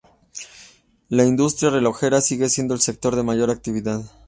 La industria relojera sigue siendo el sector de mayor actividad.